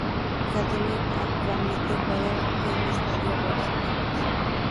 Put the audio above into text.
Kettering actualmente juegan en Estadio Rockingham.